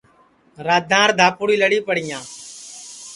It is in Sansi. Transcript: رادھانٚر دھاپُوڑی لڑیپڑِیاں